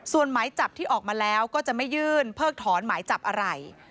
ส่วนหมายจับที่ออกมาแล้วก็จะไม่ยื่นเพิกถอนหมายจับอะไร